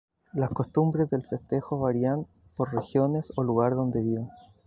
Las costumbres del festejo varían por regiones o lugar donde vivan.